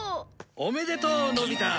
おめでとうのび太。